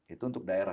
itu untuk daerah